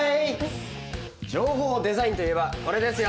「情報デザイン」といえばこれですよ